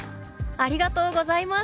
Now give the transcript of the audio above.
「ありがとうございます。